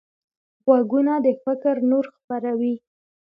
غوږونه د فکر نور خپروي